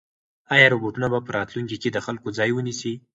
ایا روبوټونه به په راتلونکي کې د خلکو ځای ونیسي؟